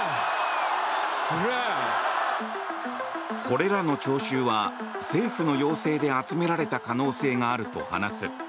これらの聴衆は政府の要請で集められた可能性があると話す。